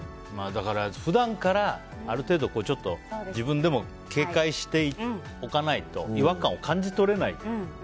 普段から、ある程度自分でも警戒しておかないと違和感を感じ取れない。